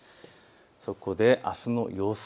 そこであすの予想